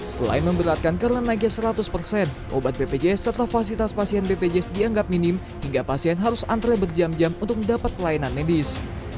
selain memberatkan karena naiknya seratus persen obat bpjs serta fasilitas pasien bpjs dianggap minim hingga pasien harus antre berjam jam untuk mendapat pelayanan medis